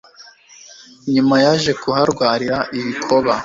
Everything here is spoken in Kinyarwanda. nyuma yaje kuharwarira ibikoba